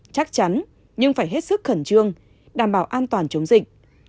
chắc chắn nhưng phải hết sức khẩn trương đảm bảo an toàn chống dịch